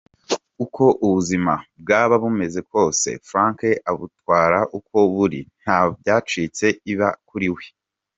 Uko ubuzima bwaba bumeze kose , Frank abutwara uko buri ,nta byacitse iba kuri we.